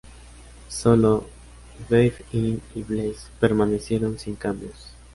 Sólo "Dive In" y "Bless" permanecieron sin cambios.